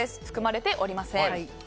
含まれておりません。